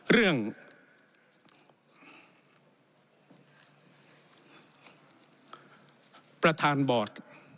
เรื่องประธานบอร์ด